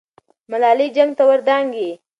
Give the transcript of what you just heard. ملالۍ جنګ ته ور دانګي.